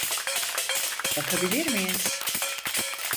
Bakabilir miyiz?